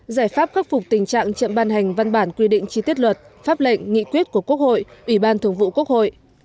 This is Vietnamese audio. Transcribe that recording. giải pháp khắc phục tình trạng chậm ban hành văn bản quy định chi tiết luật pháp lệnh nghị quyết của quốc hội ủy ban thường vụ quốc hội